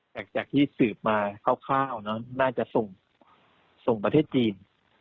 หลักจากที่สืบมาคร่าวเนาะน่าจะส่งประเทศจีน